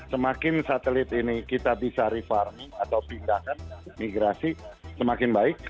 semakin satelit ini kita bisa refarming atau pindahkan migrasi semakin baik